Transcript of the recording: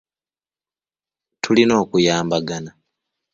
Tulina okuyambagana.